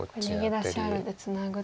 逃げ出しあるのでツナぐと。